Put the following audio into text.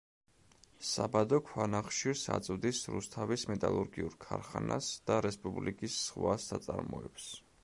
საბადო ქვანახშირს აწვდის რუსთავის მეტალურგიულ ქარხანას და რესპუბლიკის სხვა საწარმოებს.